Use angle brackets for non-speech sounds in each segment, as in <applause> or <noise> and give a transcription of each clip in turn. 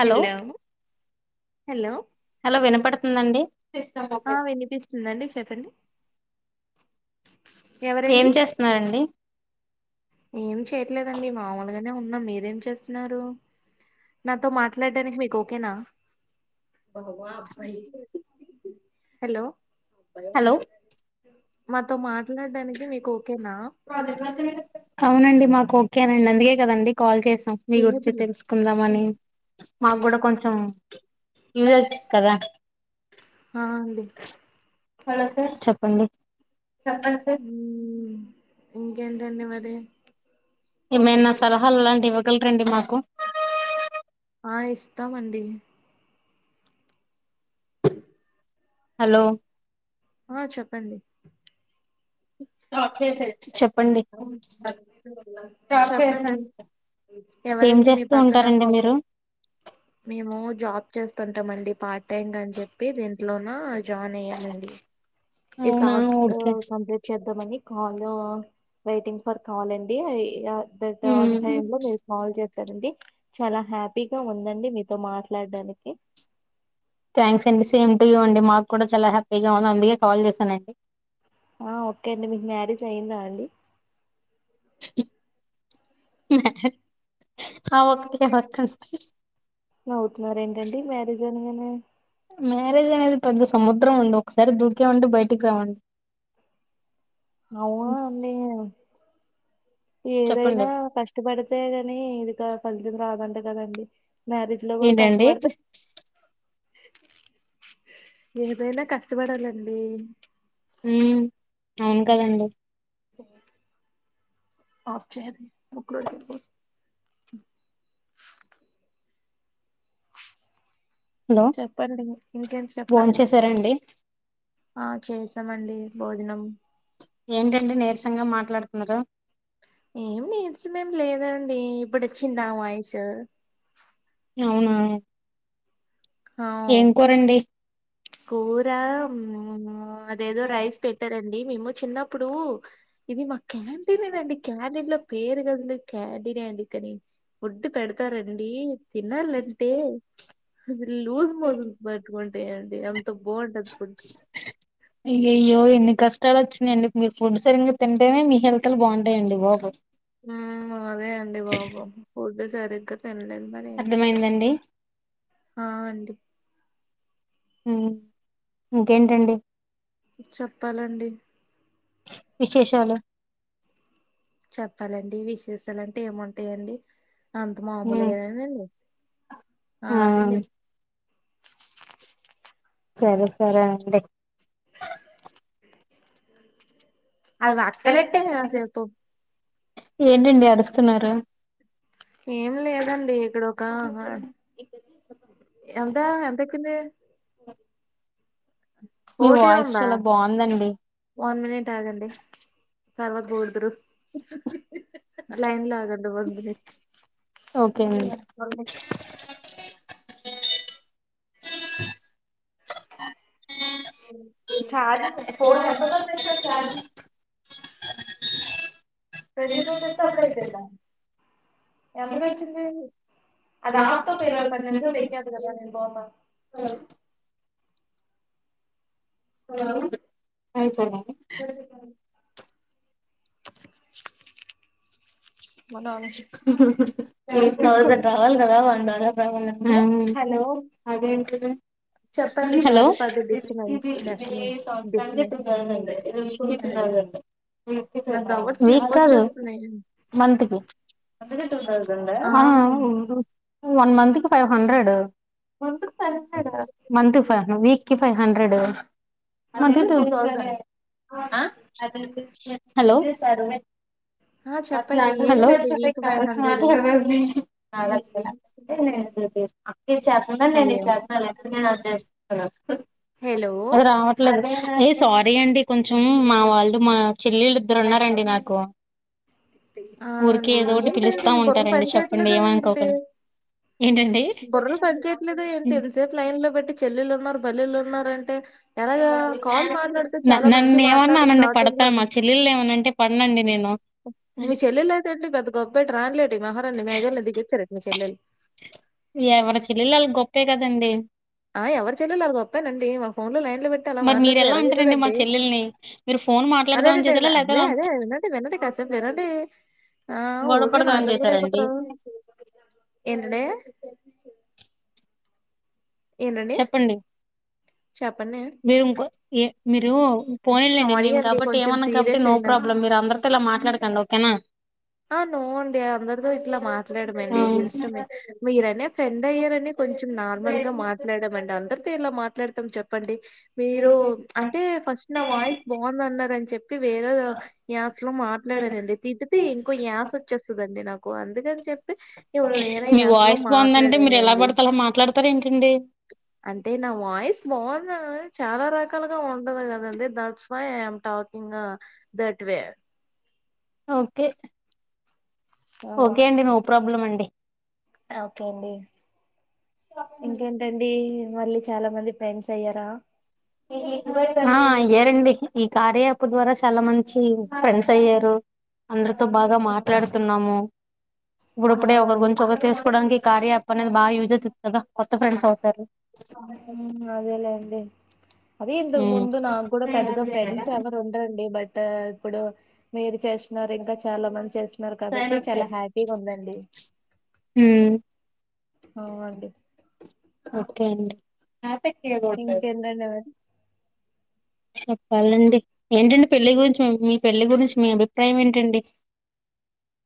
Hello hello hello hello వినపడుతుందండి ఆ వినిపిస్తుందండి చెప్పండి ఏం ఎవరండి చేస్తున్నారండి ఏం చేయట్లేదండి మామూలుగా అనే ఉన్నా మీరేం చేస్తున్నారు నాతో మాట్లాడడానికి మీక్ ఓ ఒకె నా హలో ప్ప హలో మాతో మాట్లాడడానికి మీకు ఓకేనా అవునండి మాకు ఓకే అందుకే కదండి కాల్ సాం మీ గురించి ఏబులు తెలుసుకుందాం అని మాకు గూడా కొంచెం ఇయొచ్చ కదా ఆ అండి హలో సర్ చెప్పండి చెప్పండి సర్ ఇ ఇమెన్న సలహాలు లాంటివి ఇవ గల్ రండి మాకు ఆ ఇస్తామండి అ హలో ఆ చెప్పండి చెప్పండి చెప్పండి ఏం ఎవరండి మీ చేస్తూ పక్కన ఉంటారండి మీరు? ంటాంమండి పార్ట్ టైం అని చెప్పి దీంట్లోన జాయిన్ అయ్యామండి ఇ అవునా టాస్క్ ఓకే కం అంత మని కాలు వెయిటింగ్ ఫర్ కాల్ అండి తే ఆన్ టైమ్ లో మీరు కాల్ చేస్ సదండి చాలా హ్యాపీగా ఉందండి మీతో మాట్లాడడానికి థ్యాంక్స్ అండి. సేమ్ టు యూ అండి. మాకు కూడా చాలా హ్యాపీగా ఉంది. అందుకే కాల్ చేశానండి. ఆ ఓకే అండి మీకు మ్యారేజ్ అయ్యిందా అండి అవక్కటి అడక్కండి జననే మ్యారేజ్ అనేది పత్ సము ఉండి ఒకసారి దూకాం అంటే బయటికి రావండి అవును అండి చెప్పండి ఏదైనా కష్టపడితే కని ఇకా ఫలితం రాదంటే కదన్ మ్యారేజ్ లో కూడా ఏంటండి కష్టపడత్ ఏదైనా కష్టపడాలండి ఉమ్ అవును కదండి ఆప్ చహద్ బక్ <unintelligible> హలో చెప్పండి ఇంకేం భోన్ చెప్పండి చేసారండి ఆ చేసామండి భోజనం ఏంటండి నీరసంగా మాట్లాడు ఉన్నదా ఏం నీర్చమేం లేదండి ఇప్పుడు వచ్చిందా వాయిసు అవునా ఏం హవ్ కూరండి కూర అదేదో రైస్ పెట్టర్ అం మేమేమో చిన్నప్పుడు ఇది మాక్ క్యాంటీనే నండి క్యాంటీన్ లో పేరుగ ఉంది కాంటీనే అండి కనీ పుడ్డు పెడతారండి తినాలంటే లూజ్ మోషన్స్ పెట్టుకుంటాయండి అన్ ఏమో ఎన్నిన్ కష్టాలు వచ్చినండి మీరు ఫుడ్ సరిగ్గా తింటేనే మీ హెల్త్లు బాగుంటాయండి. బ ఉమ్ అదే అండి బాబా ఫుడ్ సరిగ తినలేదు మరి ఏం చేయాలి అర్థమైందండి ఆ అండి ఉం ఇంకేంటండి చెప్పాలండి విశేషాలు చెప్పాలండి విశేషాలంటే ఏముంటయండి అంత ఉమ్ మామూలుగానే నండి ఆ ఆడి <unintelligible> సరే సరే అండి అది పక్కనట్టే కాసేపు ఏంటండి అరుస్తున్నారు ఏం లేదండి ఇక్కడొక ఎంత ఎంతెక్కింది ఓకే <unintelligible> మీ వాయిస్ చాలా బాగుందండి వన్ మినిట్ ఆగండి తర్వాత పొగుడ్దు రు లైన్ లో <unintelligible> ఆగద్దు బ అదట్ ఓకే అండి <unintelligible> అ <unintelligible> <inaudible> హ <inaudible> చఛారి ఫోన్ ఎ ప తె చఛజ పెలితో తె కప్పుడ తెంద <unintelligible> ఎంతకొచ్చింది అది ఆపుతే ఒక ఇరవై పది నిమిషాల్లో ఎక్కేతది కద నేను పోత హలో <unintelligible> హ్ హ్ హ్ హ్ ఎయిట్ థౌజండ్ రావాలి కదా <unintelligible> వండ చ కాగు <unintelligible> హలో చెప్పండి hello sorry for the disturbance Rashmi disturbance నా దవర్స్ వీక్ నొప్పి కాదు వచ్చేస్తున్నాయి మంత్ కి ఆ వన్ మంత్ కి ఫైవ్ హండ్రెడ్ హండ్రెడ్ మంత్ కి ఫైవ్ హండ్రెడా మంత్ కి ఫైవ్ హండ్రెడ్ వీక్ కి ఫైవ్ హండ్రెడ్ హలో ఆ, చెప్పండి హలో ఏంటండి వీక్ ఫైవ్ హండ్రెడ్ మాట్లా <unintelligible> అ నను చెప్పకుాను నేను నను హలో చేప్న్నా లేద నేను అద్ద <unintelligible> రాఫ <unintelligible> హలో అది రావట్లేదు ఏ సారీ అండి కొంచం మా వా వాళ్ళు మా చెలెళ్ళు ఇద్దరు ఉన్నారండి నాకు ఆ ఊరికే ఏదో ఒకటి నేన్ పిలుస్తా బుర్ర ఉంటారండి పని చెప్పండి చేయట్లేదా ఏంటి ఏమనుకోకండి ఏంటండి బుర్ర పని చేయట్లేదా ఏంటి ఇంత సేప్ నయం లో పెట్టి చెల్లెళ్ళున్నారు బల్లిలు ఉన్నారంటే ఎలాగా కాల్ మాట్లాడితే న చాలా మంచి నన్ను ఏమన్న మాట్లాడు అనండి స్టార్టింగ్ పడతాను లోనే మా చెల్లెళ్ళని ఏమన్నా అంటే పడనండి నేను మీ చెల్లెలు అయితే ఏంటి పెద్ద గొప్పెట్టి రాణిలేంటి మహారాణి మేఘల్ల దిగొచ్చారా మీ చెల్లెలు దండి ఆన్లైన్ ఇ పెట్టి అలా మరి మీరు మాట్లాడతే ఎలా అంటారండి మా ఎలాగైతదండి చెల్లెల్ని మీరు ఫోన్ మాట్లాడదామని అదేనండి చేసారా లేకపోతే అదే నా అదే వినండి వినండి కాసేప్ వినండి ఆ గొడవ ఊరికే పడదామని మాట్లాడుతూనే చేసారండి ఉంటరు ఏంటండి చెప్పండి చెప్పండి మీరు ఇంకో ఏ మీరు పోనీలెండి సారీ నేను అండి కాబట్టి కొంచెం ఏమను కాబట్టి సీరియస్ నో అయినా ప్రాబ్లం మీరు అందరితో ఇలా మాట్లాడకండి ఓకేనా ఆ నో అండి అందరితో ఇట్ల ఆ మాట్లాడమండి జస్ట్ మీ మీరనే ఫ్రెండ్ అయ్యారని కొంచం నార్మల్గా మాట్లాడమం అందర్తో ఎలా మాట్లాడుతాం చెప్పండి మీరు అంటే ఫస్ట్ నా వాయిస్ బాగుందన్నరని చెప్పి వేరే యాస్లో మాట్లాడనండి తిట్ తీ యాస్ వచ్చేస్తదండి నాకు అందుకని చెప్పి ఇప్పుడు వేరే మీ యాస్లో వాయిస్ బాగుందంటే మీరు ఎలా మాట్లాడలెండి పడితే అలా మాట్లాడతారు ఏంటండి అంటే నా వాయిస్ బా భోజనాల్ అనేది చాలా రకాలుగా ఉంటది కదండి that's why I am talking that way okay okay అండి నో ప్రాబ్లం అండి ఓకే అండి ఇంకేంటండి మళ్ళీ చాలా మంది ఫ్రెండ్స్ అయ్యారా ఆ అయ్యారండి ఈ కార్య యాప్ ద్వారా చాలా మంచి ఫ్రెండ్స్ అయ్యారు అందరితో బాగా మాట్లాడుతున్నాము. ఆ ఇప్పుడుప్పుడే ఒకరి అండి గురించి ఒకరు తీసుకోవడానికి కార్య యాప్ అనేది బాగా యూజ్ అవుతది కదా కొత్త ఫ్రెండ్స్ అవుతారు మ్మ్ అదేలేండి అదే ఇంతకు ఉమ్ ముందు నాక్ గుడా పెద్దగా ఫ్రెండ్స్ ఎవర్ ఉండరండి బట్ ఇప్పుడు మీరు చేస్తున్నారు ఇంకా చాలా మంది చేస్ న్నారు కాబట్టి చాలా హ్యా ఉందండి హ్మ్ ఆ అండి ఓకే అండి ఇంకెందండి చెప్పాలండి ఏంటండి పెళ్లి గురించి మీ పెళ్లి గురించి మీ అభి అభిప్రాయం ఏంటండి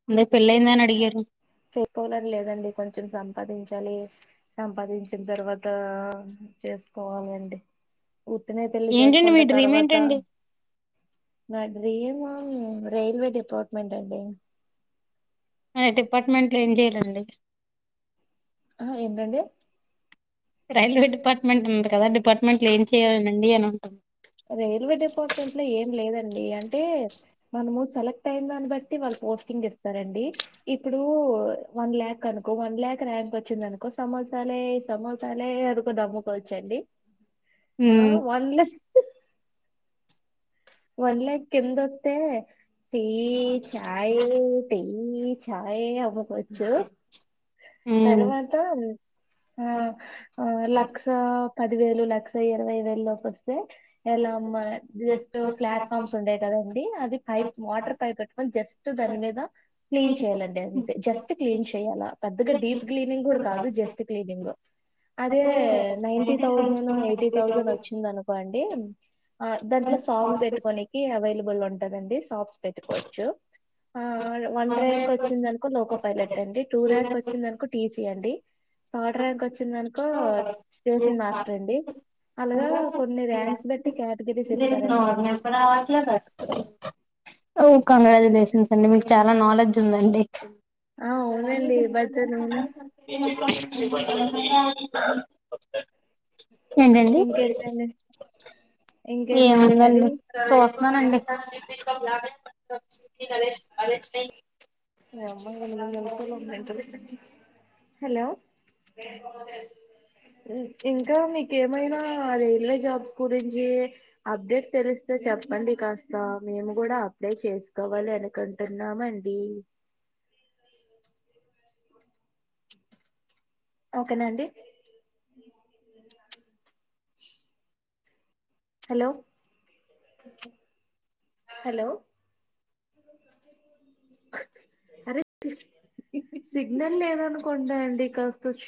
అందరు పెళ్లయిందా అని అడిగారు చేస్కోవాలని లేదండి కొంచం సంపాదించాలి సంపాదించిన తర్వాత చేస్కోవాలి అండి ఉత్తినే పెళ్లి ఏంటండి మీ చేసుకుంటే డ్రీమ్ తర్వాత ఏంటండి బాడ్ రిమన్ రైల్వే డిపార్ట్మెంట్ అండి. డిపార్ట్మెంట్ లో ఏం చేయ్యాలండి? ఆహా ఏటండి రైల్వే డిపార్ట్మెంట్ ఉంది కదా డిపార్ట్మెంట్ లో ఏం చేయాలనండి అని అంటాను రైల్వే డిపార్ట్మెంట్ లో ఏం లేదండి అంటే మనము సెలెక్ట్ అయిందాని బట్టి వాళ్ళు పోస్టింగ్ ఇస్ చేస్తారండి. ఇప్పుడు వన్ ల్యాక్ అనుకో వన్ లాక్ ర్యాంక్ వచ్చిందినుకో సమోసాలే సమోస్ సాలే అనుకోని నమ్ముకోవచ్చండి. ఆ ఉమ్ వన్ లాక్ వన్ ల్యాక్ ఎందఅస్ తే టీ చాయి టీ చాయి అమ్మమ్ వచ్చు. తర్వాత ఆ లక్ష పదివేలు లక్ష ఎన్ వై వెల్లొకొస్తే ఎలా అమ్మా జెస్ ప్లాట్ఫామ్స్ ఉండయి కదండి పైప్ వాటర్ పై పెట్టుకొని జస్ట్ ఉమ్ దాని మీద ఓ క్లీన్ చేయాలండి. అంతే జస్ట్ క్లీన్ చేయాలా పెద్దగా డీప్ క్లీనింగ్ కూడా కాదు జస్ట్ క్లీనింగ్, అదే నైన్ థౌసండ్ ఎయిటీ థౌసండ్ వచ్చింది అనుకోండి ఆ దాంట్లోస్ సాగులు పెట్టుకోనికి అవైలబుల్ ఉంటదండి సఫ్స్ పెట్టుకోవచ్చు. ఆ వన్ ర్యాంక్ వచ్చిందనుకో లోకో పైలట్ అండి టూ ర్యాంక్ వచ్చిందనుకో టీసీ అండి. థర్డ్ ర్యాంక్ వచ్చిందినుకో స్టేషన్ మాస్టర్ అండి అలాగా కొన్ని ర్యాంక్స్ బట్టి కేటగిరీస్ <unintelligible> ఇస్తారండి. కంగ్రాక్టులేషన్స్ అండి మీకు చాల నాలెడ్జ్ ఉంది అండి ఆ అవునండి బర్తనువును అ ఏంటండి ఇంకేంటండి ఇంకేంటండి మరి ఏముందండి చూస్తున్నానండి క <unintelligible> హలో ఇంకా మీకేమైనా రైల్వే జాబ్స్ గురించి అప్డేట్ తెలిస్తే చెప్పండి కాస్త మేము కూడా అప్లై చేస్ కావాలన అనుకుంటున్నామండి ఓకేనాండి హలో హలో అరే సిగ్నల్ లేదనుకుంటాండి కాస్త చూ